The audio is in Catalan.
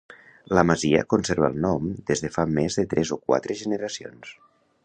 La masia conserva el nom des de fa més de tres o quatre generacions.